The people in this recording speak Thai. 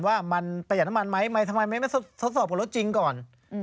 ว่ามันประหยัดน้ำมันไหมทำไมไม่ทดสอบกับรถจริงก่อน